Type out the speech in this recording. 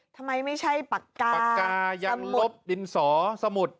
ไม่ใช่ปากกาปากกายังลบดินสอสมุด